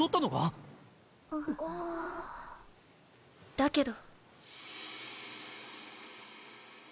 だけど。